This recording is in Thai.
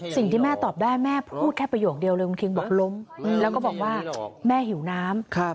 สิ่งที่แม่ตอบได้แม่พูดแค่ประโยคเดียวเลยคุณคิงบอกล้มแล้วก็บอกว่าแม่หิวน้ำ